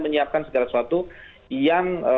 mengadakan segala sesuatu yang